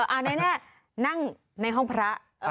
อันนี้นั่งในห้องพระ